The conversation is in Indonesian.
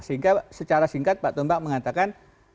sehingga secara singkat pak tombak mengatakan